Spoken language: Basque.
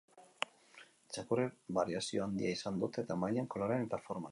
Txakurrek bariazio handia izan dute tamainan, kolorean eta forman.